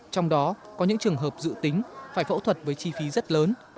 trong đó có những trường hợp dự tính phải phẫu thuật với chi phí rất lớn